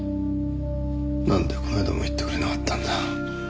なんでこの間も言ってくれなかったんだ。